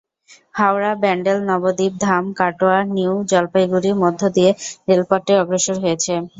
হাওড়া-ব্যান্ডেল-নবদ্বীপ ধাম- কাটোয়া-নিউ জলপাইগুড়ি মধ্য দিয়ে রেলপথটি অগ্রসর হয়েছে।